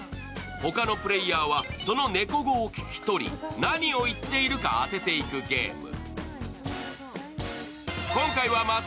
ほかのプレーヤーはその猫語を聞き取り何を言っているか当てていくゲーム。